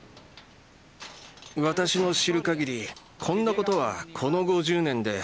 私の知る限りこんなことはこの５０年で初めてです。